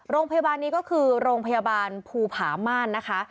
โรงพยาบาลนี้ก็คือโรงพยาบาลภูผาม่านนะคะ